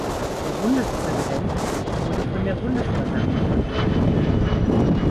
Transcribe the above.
Der Bundespräsident wurde von der Bundesversammlung gewählt.